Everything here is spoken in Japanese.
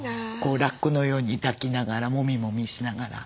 ラッコのように抱きながらもみもみしながら。